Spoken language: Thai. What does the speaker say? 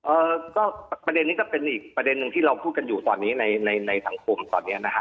เอ่อก็ประเด็นนี้ก็เป็นอีกประเด็นหนึ่งที่เราพูดกันอยู่ตอนนี้ในในสังคมตอนนี้นะฮะ